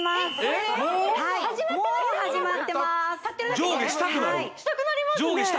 したくなりますよね